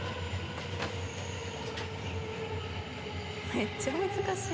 めっちゃ難しい。